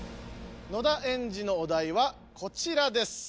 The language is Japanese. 野田エンジのお題はこちらです。